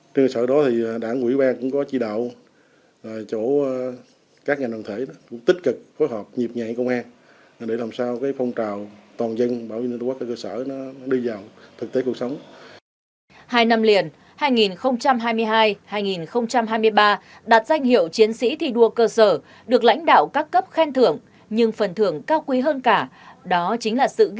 trên cơ sở đó thì đảng quỹ quang cũng có chỉ đạo chỗ các nhà đoàn thể tích cực phối hợp nhịp nhạy công an để làm sao phong trào toàn dân bảo vĩnh quốc ở cơ sở nó đi vào thực tế cuộc sống